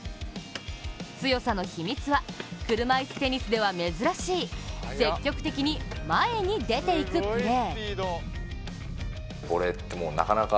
強さの秘密は、車いすテニスでは珍しい積極的に前に出ていくプレー。